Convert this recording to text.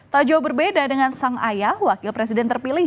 tak jauh berbeda dengan sang ayah wakil presiden terpilih